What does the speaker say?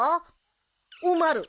おまる。